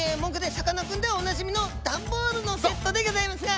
さかなクン」ではおなじみの段ボールのセットでギョざいますが。